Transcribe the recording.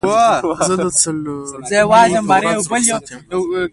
زه د څلورنۍ په ورځ روخصت یم